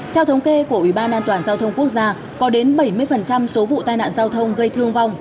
theo thống kê của ubnd có đến bảy mươi số vụ tai nạn giao thông gây thương vong